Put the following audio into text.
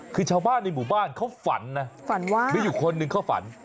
คือชาวบ้านในหมู่บ้านเขาฝันนะฝันว่ามีอยู่คนหนึ่งเขาฝัน